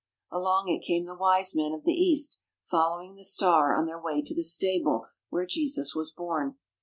Along it came the Wise Men. of the East following the Star on their way to the stable where Jesus was born.